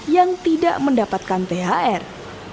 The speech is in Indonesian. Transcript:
yang tidak mendapatkan thr